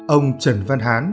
ông trần văn hán